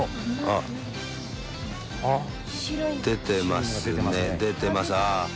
あっ、出てますね、出てます。